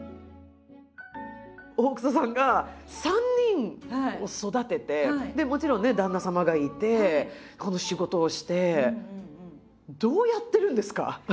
大草さんが３人を育ててもちろんね旦那様がいてこの仕事をしてどうやってるんですか？